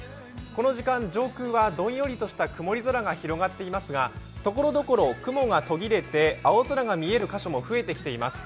この時間、上空はどんよりとした曇り空が広がっていますが、ところどころ雲が途切れて青空が見える箇所も増えてきています。